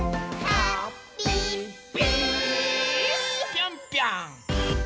ぴょんぴょん！